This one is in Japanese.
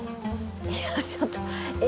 いやちょっとえ